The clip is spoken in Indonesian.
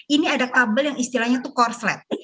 ini ada kabel yang istilahnya itu korslet